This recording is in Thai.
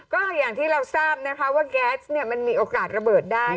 ก็อย่างที่เราทราบนะคะว่าแก๊สมันมีโอกาสระเบิดได้